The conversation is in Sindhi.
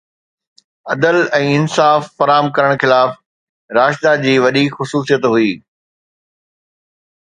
عدل ۽ انصاف فراهم ڪرڻ خلافت راشده جي وڏي خصوصيت هئي